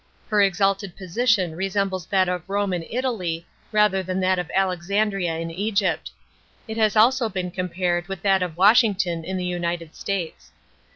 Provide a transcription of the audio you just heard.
Her exalted position resembles that of Rome in Italy rather than that of Alexandria in Egypt; it has also been compared to that of Washington in the United States.